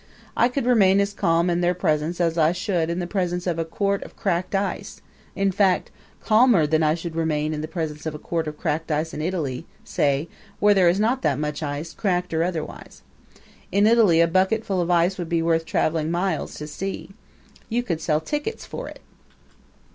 I could remain as calm in their presence as I should in the presence of a quart of cracked ice; in fact, calmer than I should remain in the presence of a quart of cracked ice in Italy, say, where there is not that much ice, cracked or otherwise. In Italy a bucketful of ice would be worth traveling miles to see. You could sell tickets for it.